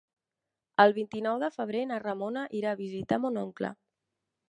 El vint-i-nou de febrer na Ramona irà a visitar mon oncle.